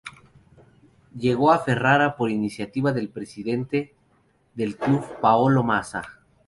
Llegó a Ferrara por iniciativa del presidente del club Paolo Mazza.